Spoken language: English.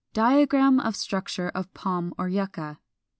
Diagram of structure of Palm or Yucca.